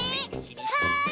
はい。